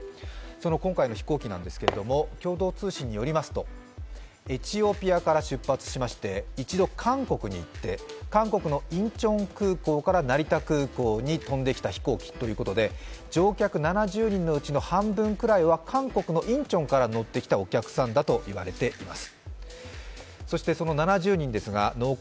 今回の飛行機なんですけれども、共同通信によりますとエチオピアから出発しまして一度、韓国に行って韓国のインチョンから成田空港に飛んできた飛行機ということで乗客７０人のうち半分くらいは韓国のインチョンから乗ってきたお客さんだといわれています。